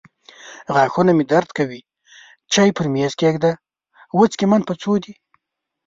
غاښونه مې درد کوي. چای پر مېز کښېږده. وڅکې من په څو دي.